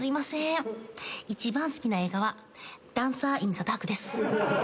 一番好きな映画は『ダンサー・イン・ザ・ダーク』です。